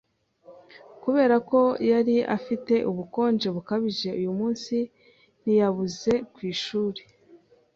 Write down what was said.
Kubera ko yari afite ubukonje bukabije, uyu munsi ntiyabuze ku ishuri.